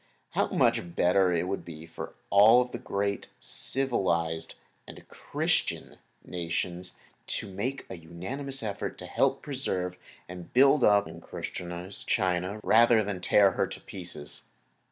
How much better it would be for all the great civilized and Christian nations to make a unanimous effort to help preserve, build up and Christianize China, rather than to tear her to pieces.